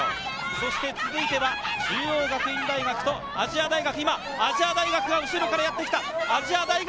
そして続いては中央学院大学と亜細亜大学、今、亜細亜大学が後ろからやってきた！